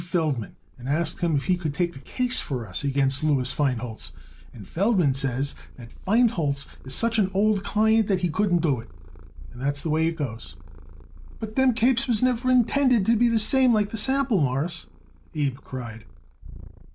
Feldman and asked him if he could take a case for us against Louis Feinholz, and Feldman says that Feinholz is such an old client that he couldn't do it. And that's the way it goes." "But them capes was never intended to be the same like that sample, Mawruss," Abe cried.